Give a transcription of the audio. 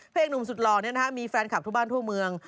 เพลงหนุ่มสุดหล่อมีแฟนคลับทั่วบ้านทั่วเมือง